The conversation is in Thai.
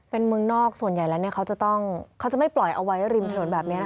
เป็นเมืองนอกส่วนใหญ่แล้วเนี่ยเค้าจะต้องเค้าจะไม่ปล่อยเอาไว้ริมถนนแบบนี้นะคะ